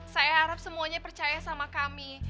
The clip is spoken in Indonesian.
saya harap semuanya percaya sama kami